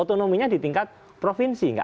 otonominya di tingkat provinsi